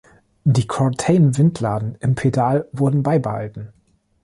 Die Courtain-Windladen im Pedal wurden beibehalten.